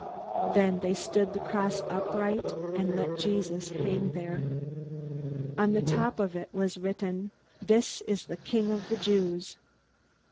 Then they stood the cross upright, and let Jesus hang there. On the top of it was written: "This is the King of the Jews."